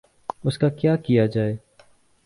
اس کا کیا کیا جائے؟